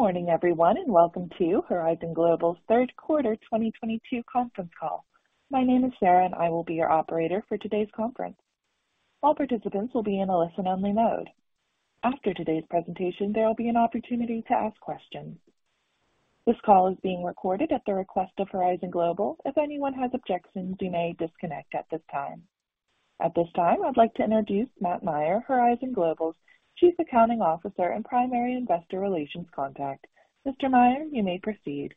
Good morning everyone, and welcome to Horizon Global's third quarter 2022 conference call. My name is Sarah, and I will be your operator for today's conference. All participants will be in a listen-only mode. After today's presentation, there will be an opportunity to ask questions. This call is being recorded at the request of Horizon Global. If anyone has objections, you may disconnect at this time. At this time, I'd like to introduce Matt Meyer, Horizon Global's Chief Accounting Officer and primary investor relations contact. Mr. Meyer, you may proceed.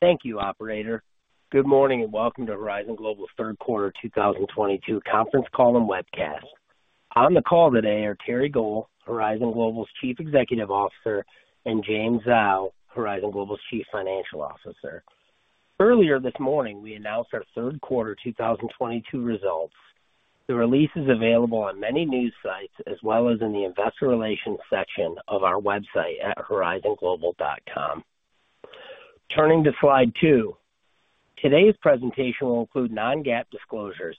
Thank you, operator. Good morning and welcome to Horizon Global's third quarter 2022 conference call and webcast. On the call today are Terry Gohl, Horizon Global's Chief Executive Officer, and James Zhou, Horizon Global's Chief Financial Officer. Earlier this morning, we announced our third quarter 2022 results. The release is available on many news sites as well as in the investor relations section of our website at horizonglobal.com. Turning to slide 2. Today's presentation will include non-GAAP disclosures.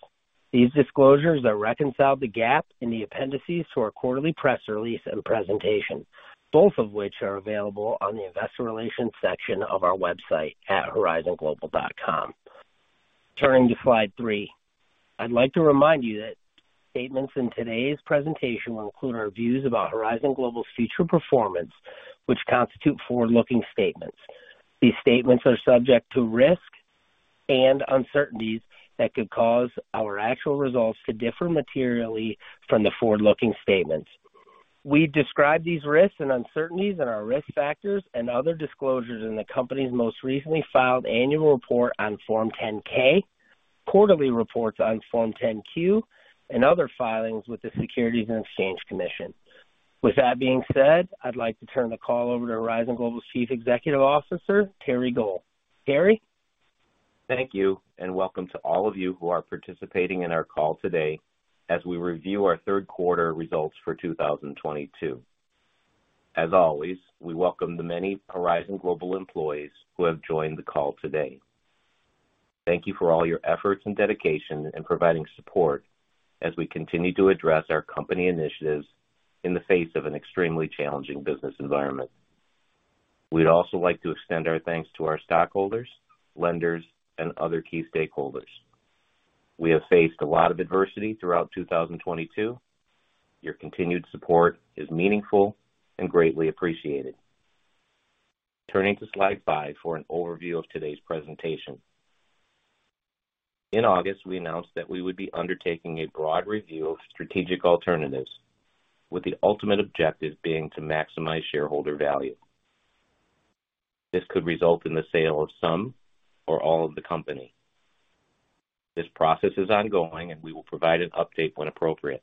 These disclosures are reconciled to GAAP in the appendices to our quarterly press release and presentation, both of which are available on the investor relations section of our website at horizonglobal.com. Turning to slide 3. I'd like to remind you that statements in today's presentation will include our views about Horizon Global's future performance, which constitute forward-looking statements. These statements are subject to risks and uncertainties that could cause our actual results to differ materially from the forward-looking statements. We describe these risks and uncertainties in our risk factors and other disclosures in the company's most recently filed annual report on Form 10-K, quarterly reports on Form 10-Q, and other filings with the Securities and Exchange Commission. With that being said, I'd like to turn the call over to Horizon Global's Chief Executive Officer, Terry Gohl. Terry? Thank you, and welcome to all of you who are participating in our call today as we review our third quarter results for 2022. As always, we welcome the many Horizon Global employees who have joined the call today. Thank you for all your efforts and dedication in providing support as we continue to address our company initiatives in the face of an extremely challenging business environment. We'd also like to extend our thanks to our stockholders, lenders, and other key stakeholders. We have faced a lot of adversity throughout 2022. Your continued support is meaningful and greatly appreciated. Turning to slide 5 for an overview of today's presentation. In August, we announced that we would be undertaking a broad review of strategic alternatives, with the ultimate objective being to maximize shareholder value. This could result in the sale of some or all of the company. This process is ongoing, and we will provide an update when appropriate.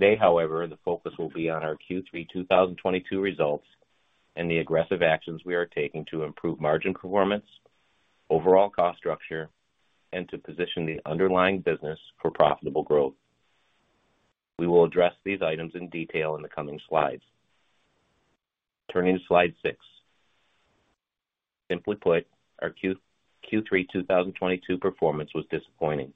Today, however, the focus will be on our Q3-2022 results and the aggressive actions we are taking to improve margin performance, overall cost structure, and to position the underlying business for profitable growth. We will address these items in detail in the coming slides. Turning to slide six. Simply put, our Q3-2022 performance was disappointing.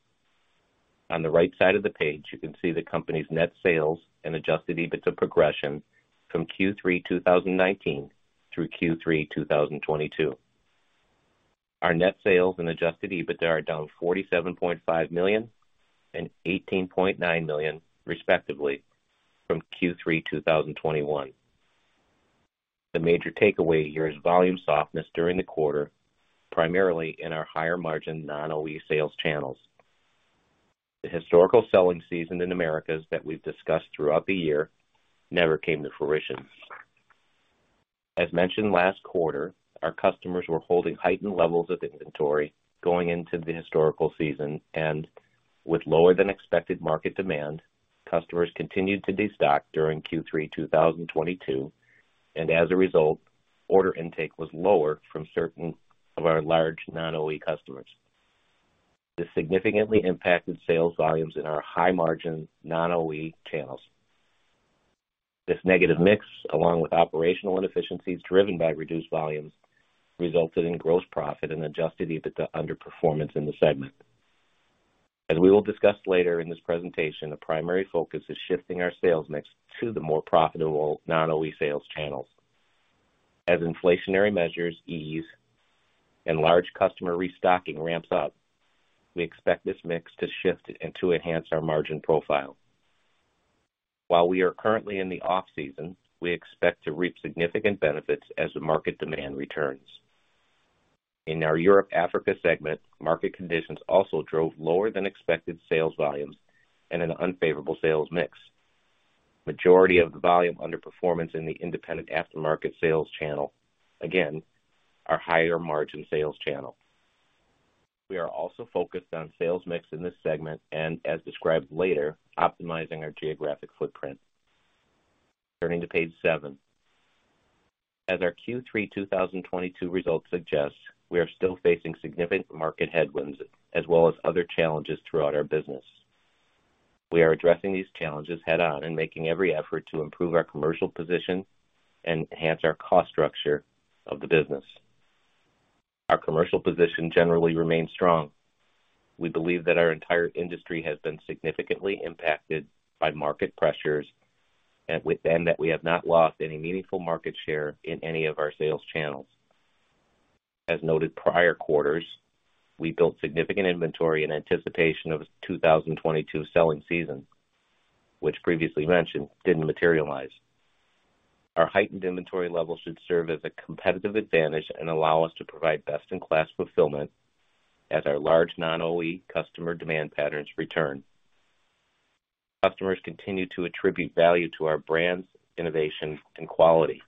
On the right side of the page, you can see the company's net sales and Adjusted EBITDA progression from Q3-2019 through Q3-2022. Our net sales and Adjusted EBITDA are down $47.5 million and $18.9 million, respectively, from Q3-2021. The major takeaway here is volume softness during the quarter, primarily in our higher margin non-OE sales channels. The historical selling season in Americas that we've discussed throughout the year never came to fruition. As mentioned last quarter, our customers were holding heightened levels of inventory going into the historical season. With lower than expected market demand, customers continued to destock during Q3-2022, and as a result, order intake was lower from certain of our large non-OE customers. This significantly impacted sales volumes in our high margin non-OE channels. This negative mix, along with operational inefficiencies driven by reduced volumes, resulted in gross profit and Adjusted EBITDA underperformance in the segment. As we will discuss later in this presentation, the primary focus is shifting our sales mix to the more profitable non-OE sales channels. As inflationary measures ease and large customer restocking ramps up, we expect this mix to shift and to enhance our margin profile. While we are currently in the off-season, we expect to reap significant benefits as the market demand returns. In our Europe, Africa segment, market conditions also drove lower than expected sales volumes and an unfavorable sales mix. Majority of the volume underperformance in the independent aftermarket sales channel, again, our higher margin sales channel. We are also focused on sales mix in this segment and as described later, optimizing our geographic footprint. Turning to page 7. As our Q3-2022 results suggest, we are still facing significant market headwinds as well as other challenges throughout our business. We are addressing these challenges head on and making every effort to improve our commercial position and enhance our cost structure of the business. Our commercial position generally remains strong. We believe that our entire industry has been significantly impacted by market pressures and with that we have not lost any meaningful market share in any of our sales channels. As noted prior quarters, we built significant inventory in anticipation of 2022 selling season, which previously mentioned didn't materialize. Our heightened inventory levels should serve as a competitive advantage and allow us to provide best in class fulfillment as our large non-OE customer demand patterns return. Customers continue to attribute value to our brands, innovation, and quality.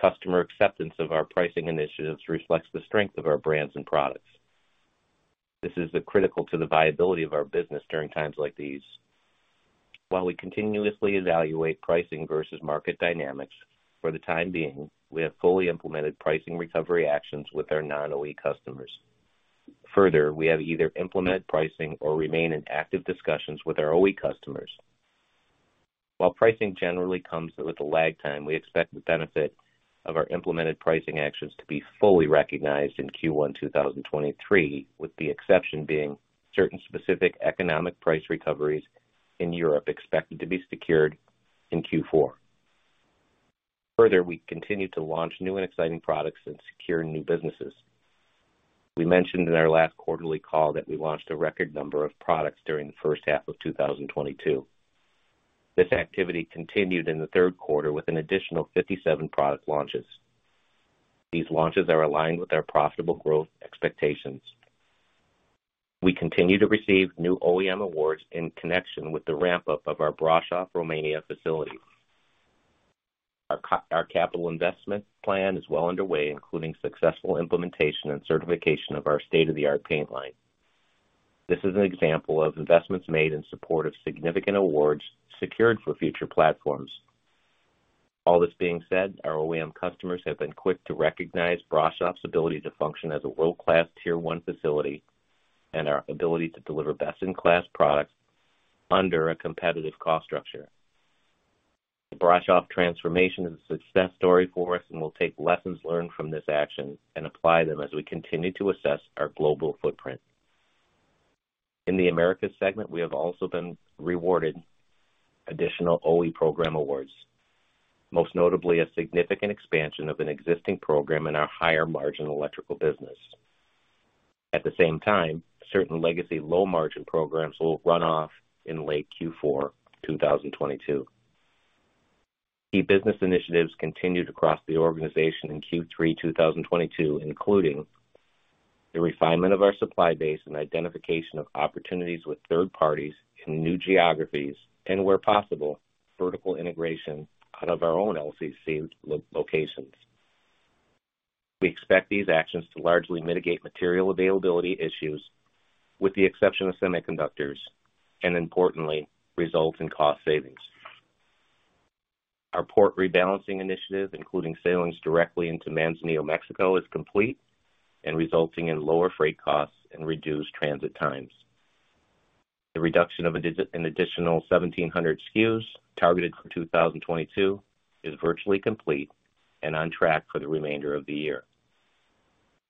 Customer acceptance of our pricing initiatives reflects the strength of our brands and products. This is critical to the viability of our business during times like these. While we continuously evaluate pricing versus market dynamics, for the time being, we have fully implemented pricing recovery actions with our non-OE customers. Further, we have either implemented pricing or remain in active discussions with our OE customers. While pricing generally comes with a lag time, we expect the benefit of our implemented pricing actions to be fully recognized in Q1 2023, with the exception being certain specific economic price recoveries in Europe expected to be secured in Q4. Further, we continue to launch new and exciting products and secure new businesses. We mentioned in our last quarterly call that we launched a record number of products during the first half of 2022. This activity continued in the third quarter with an additional 57 product launches. These launches are aligned with our profitable growth expectations. We continue to receive new OEM awards in connection with the ramp up of our Brașov, Romania facility. Our capital investment plan is well underway, including successful implementation and certification of our state-of-the-art paint line. This is an example of investments made in support of significant awards secured for future platforms. All this being said, our OEM customers have been quick to recognize Brașov's ability to function as a world-class Tier 1 facility and our ability to deliver best in class products under a competitive cost structure. The Brașov transformation is a success story for us, and we'll take lessons learned from this action and apply them as we continue to assess our global footprint. In the Americas segment, we have also been rewarded additional OE program awards, most notably a significant expansion of an existing program in our higher margin electrical business. At the same time, certain legacy low margin programs will run off in late Q4 2022. Key business initiatives continued across the organization in Q3 2022, including the refinement of our supply base and identification of opportunities with third parties in new geographies and where possible, vertical integration out of our own LCC locations. We expect these actions to largely mitigate material availability issues with the exception of semiconductors and importantly, result in cost savings. Our port rebalancing initiative, including sailings directly into Manzanillo, Mexico, is complete and resulting in lower freight costs and reduced transit times. The reduction of an additional 1,700 SKUs targeted for 2022 is virtually complete and on track for the remainder of the year.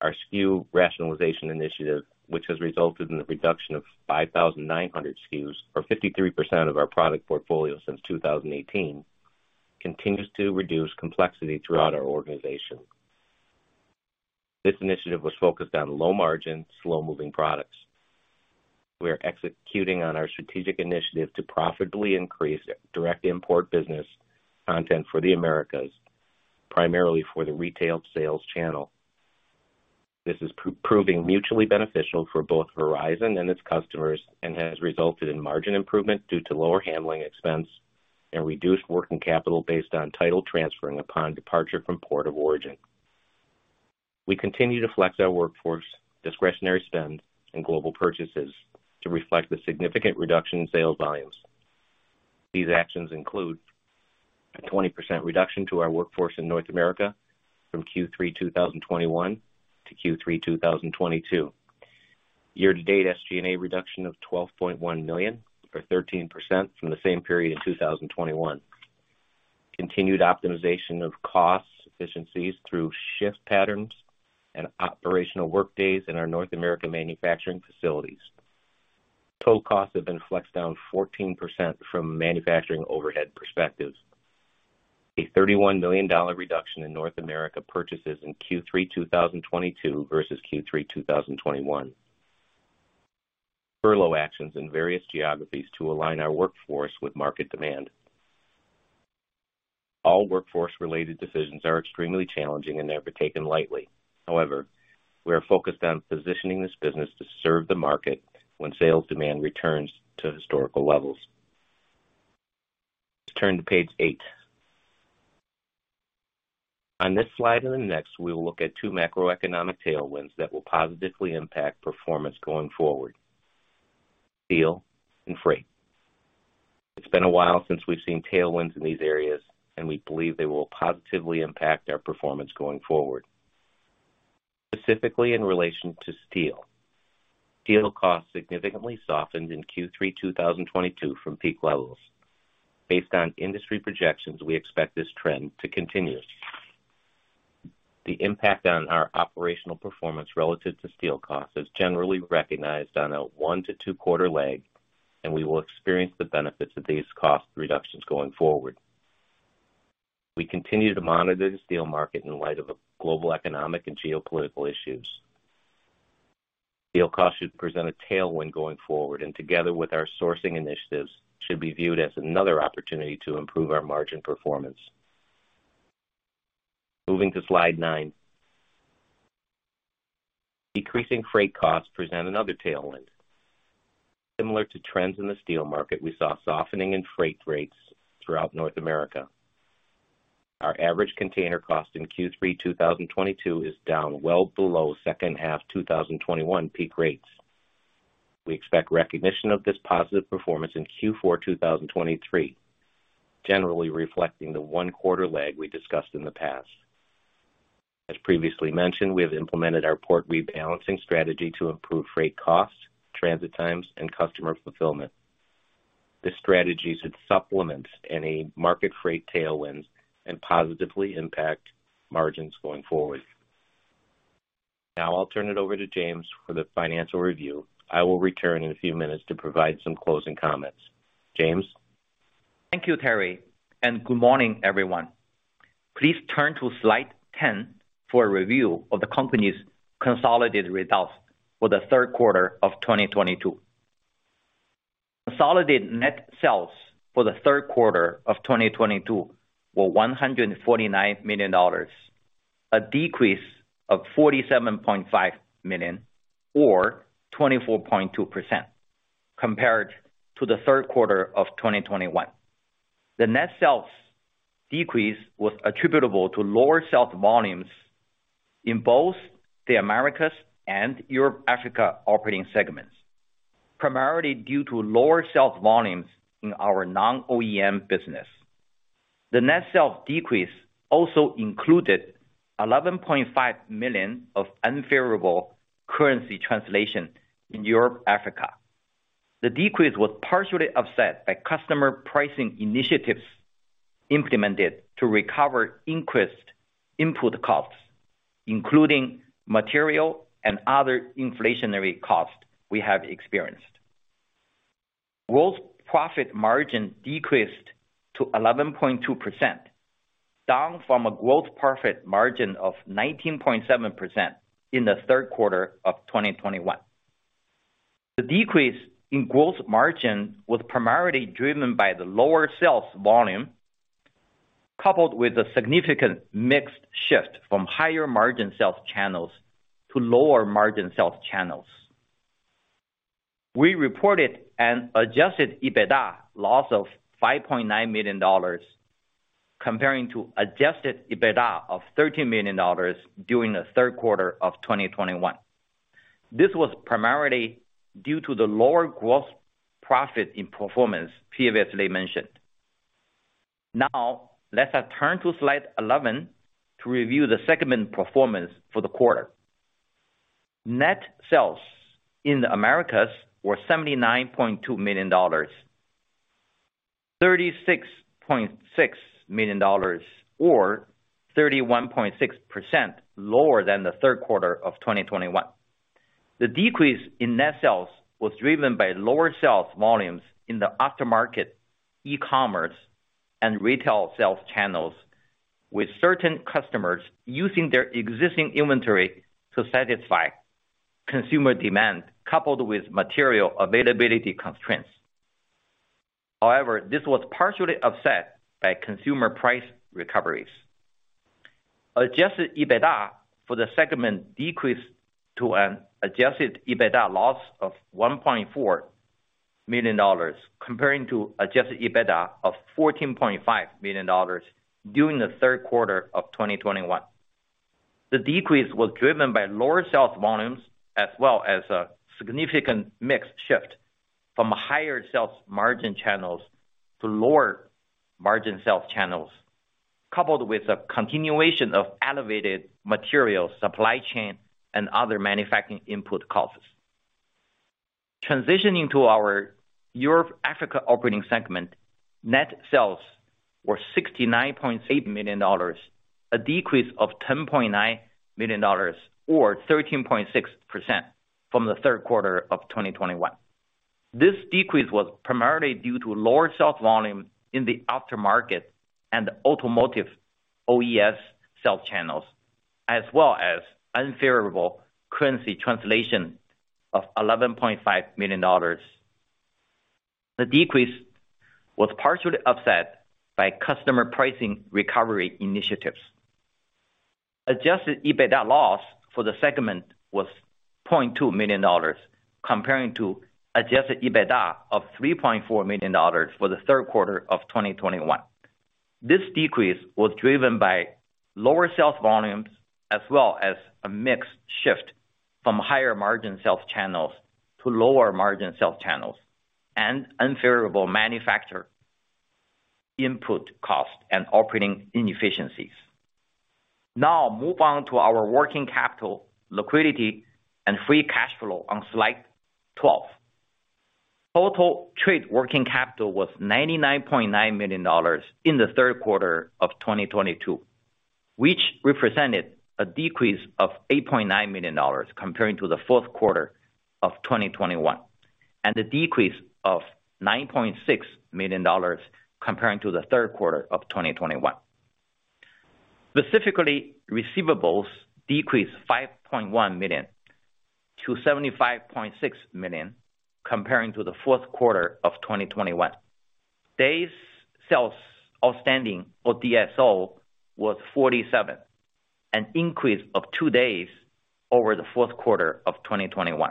Our SKU rationalization initiative, which has resulted in the reduction of 5,900 SKUs or 53% of our product portfolio since 2018, continues to reduce complexity throughout our organization. This initiative was focused on low-margin, slow-moving products. We are executing on our strategic initiative to profitably increase direct import business content for the Americas, primarily for the retail sales channel. This is proving mutually beneficial for both Horizon and its customers and has resulted in margin improvement due to lower handling expense and reduced working capital based on title transferring upon departure from port of origin. We continue to flex our workforce, discretionary spend and global purchases to reflect the significant reduction in sales volumes. These actions include a 20% reduction to our workforce in North America from Q3 2021 to Q3 2022. Year to date, SG&A reduction of $12.1 million or 13% from the same period in 2021. Continued optimization of cost efficiencies through shift patterns and operational workdays in our North America manufacturing facilities. Total costs have been flexed down 14% from a manufacturing overhead perspective. A $31 million reduction in North America purchases in Q3 2022 versus Q3 2021. Furlough actions in various geographies to align our workforce with market demand. All workforce related decisions are extremely challenging and never taken lightly. However, we are focused on positioning this business to serve the market when sales demand returns to historical levels. Let's turn to page 8. On this slide and the next, we will look at two macroeconomic tailwinds that will positively impact performance going forward. Steel and freight. It's been a while since we've seen tailwinds in these areas, and we believe they will positively impact our performance going forward. Specifically in relation to steel. Steel costs significantly softened in Q3 2022 from peak levels. Based on industry projections, we expect this trend to continue. The impact on our operational performance relative to steel costs is generally recognized on a one- to two-quarter lag, and we will experience the benefits of these cost reductions going forward. We continue to monitor the steel market in light of the global economic and geopolitical issues. Steel costs should present a tailwind going forward and together with our sourcing initiatives, should be viewed as another opportunity to improve our margin performance. Moving to slide nine. Decreasing freight costs present another tailwind. Similar to trends in the steel market, we saw softening in freight rates throughout North America. Our average container cost in Q3 2022 is down well below second half 2021 peak rates. We expect recognition of this positive performance in Q4 2023, generally reflecting the one-quarter lag we discussed in the past. As previously mentioned, we have implemented our port rebalancing strategy to improve freight costs, transit times and customer fulfillment. This strategy should supplement any market freight tailwinds and positively impact margins going forward. Now I'll turn it over to James for the financial review. I will return in a few minutes to provide some closing comments. James. Thank you, Terry, and good morning, everyone. Please turn to slide 10 for a review of the company's consolid ated results for the third quarter of 2022. Consolidated net sales for the third quarter of 2022 were $149 million, a decrease of $47.5 million or 24.2% compared to the third quarter of 2021. The net sales decrease was attributable to lower sales volumes in both the Americas and Europe, Africa operating segments, primarily due to lower sales volumes in our non-OEM business. The net sales decrease also included $11.5 million of unfavorable currency translation in Europe, Africa. The decrease was partially offset by customer pricing initiatives implemented to recover increased input costs, including material and other inflationary costs we have experienced. Gross profit margin decreased to 11.2%, down from a gross profit margin of 19.7% in the third quarter of 2021. The decrease in gross margin was primarily driven by the lower sales volume, coupled with a significant mix shift from higher margin sales channels to lower margin sales channels. We reported an Adjusted EBITDA loss of $5.9 million compared to Adjusted EBITDA of $13 million during the third quarter of 2021. This was primarily due to the lower gross profit and performance previously mentioned. Now let us turn to slide 11 to review the segment performance for the quarter. Net sales in the Americas were $79.2 million, $36.6 million or 31.6% lower than the third quarter of 2021. The decrease in net sales was driven by lower sales volumes in the aftermarket, e-commerce and retail sales channels, with certain customers using their existing inventory to satisfy consumer demand coupled with material availability constraints. However, this was partially offset by consumer price recoveries. Adjusted EBITDA for the segment decreased to an Adjusted EBITDA loss of $1.4 million, comparing to Adjusted EBITDA of $14.5 million during the third quarter of 2021. The decrease was driven by lower sales volumes as well as a significant mix shift from higher sales margin channels to lower margin sales channels, coupled with a continuation of elevated material supply chain and other manufacturing input costs. Transitioning to our Europe, Africa operating segment. Net sales were $69.8 million, a decrease of $10.9 million or 13.6% from the third quarter of 2021. This decrease was primarily due to lower sales volume in the aftermarket and automotive OES sales channels, as well as unfavorable currency translation of $11.5 million. The decrease was partially offset by customer pricing recovery initiatives. Adjusted EBITDA loss for the segment was $0.2 million, comparing to Adjusted EBITDA of $3.4 million for the third quarter of 2021. This decrease was driven by lower sales volumes as well as a mix shift from higher margin sales channels to lower margin sales channels and unfavorable manufacturer input cost and operating inefficiencies. Now move on to our working capital liquidity and free cash flow on slide 12. Total trade working capital was $99.9 million in the third quarter of 2022, which represented a decrease of $8.9 million compared to the fourth quarter of 2021, and a decrease of $9.6 million compared to the third quarter of 2021. Specifically, receivables decreased $5.1 million to $75.6 million compared to the fourth quarter of 2021. Days sales outstanding or DSO was 47, an increase of two days over the fourth quarter of 2021.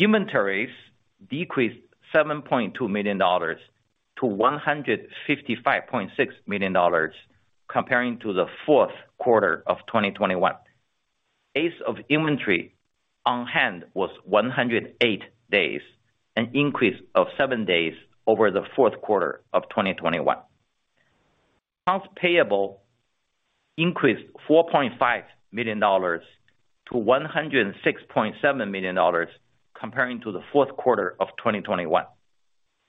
Inventories decreased $7.2 million to $155.6 million compared to the fourth quarter of 2021. Days of inventory on hand was 108 days, an increase of seven days over the fourth quarter of 2021. Accounts payable increased $4.5 million to $106.7 million compared to the fourth quarter of 2021.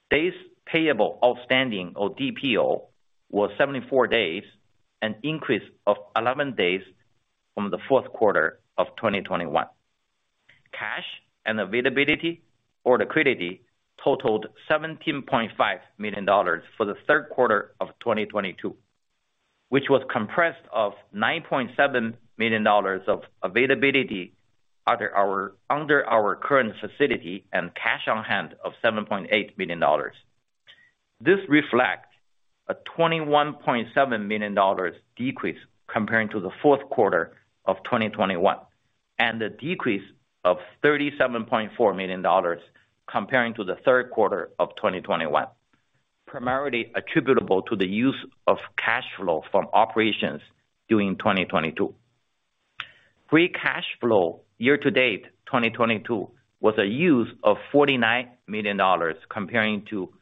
Days payable outstanding or DPO was 74 days, an increase of 11 days from the fourth quarter of 2021. Cash and availability or liquidity totaled $17.5 million for the third quarter of 2022, which was comprised of $9.7 million of availability under our current facility and cash on hand of $7.8 million. This reflects a $21.7 million decrease compared to the fourth quarter of 2021, and a decrease of $37.4 million compared to the third quarter of 2021, primarily attributable to the use of cash flow from operations during 2022. Free cash flow year to date 2022 was a use of $49 million compared to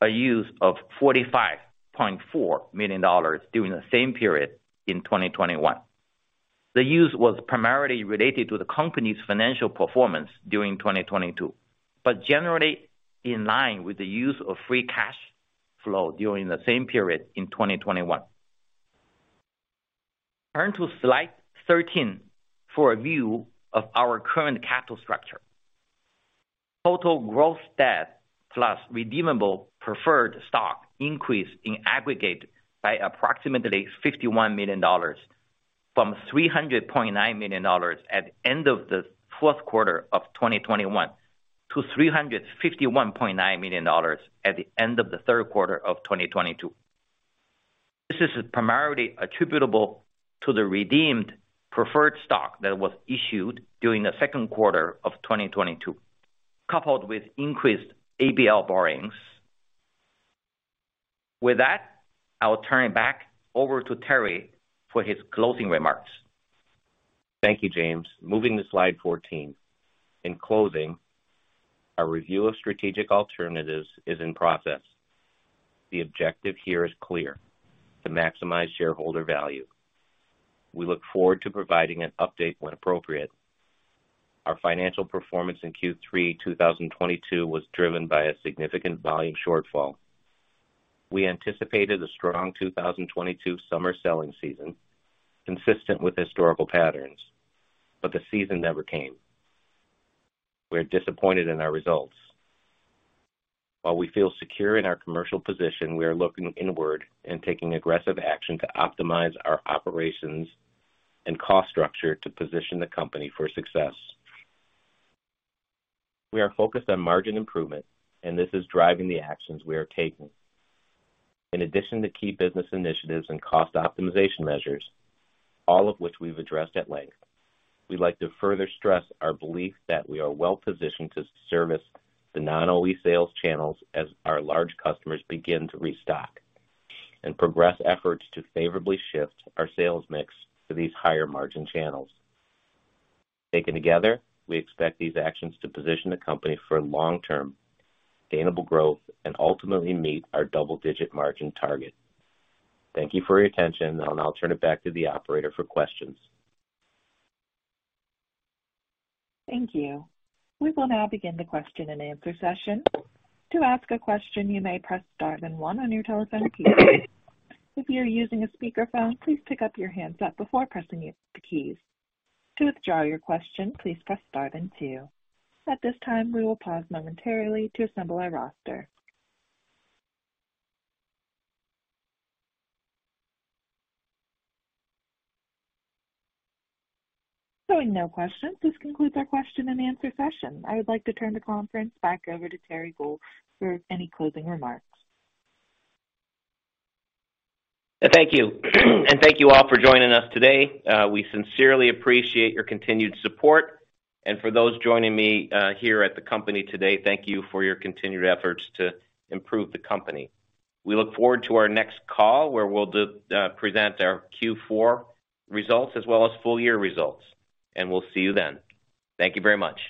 a use of $45.4 million during the same period in 2021. The use was primarily related to the company's financial performance during 2022, but generally in line with the use of free cash flow during the same period in 2021. Turn to slide 13 for a view of our current capital structure. Total gross debt plus redeemable preferred stock increased in aggregate by approximately $51 million from $300.9 million at end of the fourth quarter of 2021 to $351.9 million at the end of the third quarter of 2022. This is primarily attributable to the redeemable preferred stock that was issued during the second quarter of 2022, coupled with increased ABL borrowings. With that, I will turn it back over to Terry for his closing remarks. Thank you, James. Moving to slide 14. In closing, our review of strategic alternatives is in process. The objective here is clear, to maximize shareholder value. We look forward to providing an update when appropriate. Our financial performance in Q3 2022 was driven by a significant volume shortfall. We anticipated a strong 2022 summer selling season consistent with historical patterns, but the season never came. We're disappointed in our results. While we feel secure in our commercial position, we are looking inward and taking aggressive action to optimize our operations and cost structure to position the company for success. We are focused on margin improvement, and this is driving the actions we are taking. In addition to key business initiatives and cost optimization measures, all of which we've addressed at length, we'd like to further stress our belief that we are well positioned to service the non-OE sales channels as our large customers begin to restock, and progress efforts to favorably shift our sales mix to these higher margin channels. Taken together, we expect these actions to position the company for long-term gainable growth and ultimately meet our double-digit margin target. Thank you for your attention, and I'll turn it back to the operator for questions. Thank you. We will now begin the question and answer session. To ask a question, you may press star then one on your telephone keypad. If you are using a speakerphone, please pick up your handset before pressing the keys. To withdraw your question, please press star then two. At this time, we will pause momentarily to assemble our roster. Showing no questions, this concludes our question and answer session. I would like to turn the conference back over to Terry Gohl for any closing remarks. Thank you. Thank you all for joining us today. We sincerely appreciate your continued support. For those joining me here at the company today, thank you for your continued efforts to improve the company. We look forward to our next call, where we'll present our Q4 results as well as full year results. We'll see you then. Thank you very much.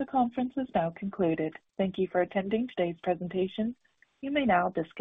The conference is now concluded. Thank you for attending today's presentation. You may now disconnect.